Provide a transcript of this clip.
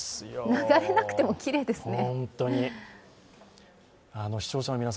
流れなくてもきれいですね。